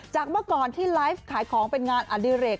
เมื่อก่อนที่ไลฟ์ขายของเป็นงานอดิเรก